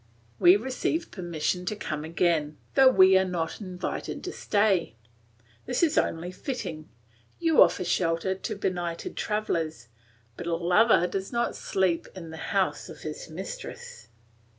We receive permission to come again, though we are not invited to stay. This is only fitting; you offer shelter to benighted travellers, but a lover does not sleep in the house of his mistress.